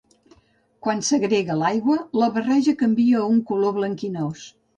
Quan s'agrega l'aigua, la barreja canvia a un color blanquinós.